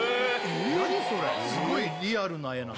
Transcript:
何それすごいリアルな絵なの？